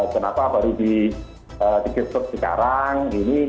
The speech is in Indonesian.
kenapa baru dikikus sekarang